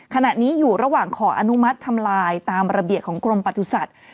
ขณะนี้อยู่ระหว่างขออนุมัติทำลายตามระเบียบของกรมประสุทธิ์